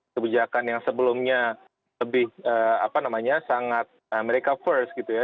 kebijakan yang sebelumnya lebih sangat america first gitu ya